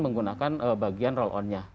menggunakan bagian roll onnya